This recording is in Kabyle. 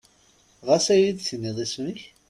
Ɣas ad yi-d-tiniḍ isem-ik?